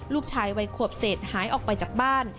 ลูกชายวัยขวบเศษหายออกไปจากบ้าน